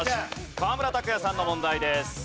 河村拓哉さんの問題です。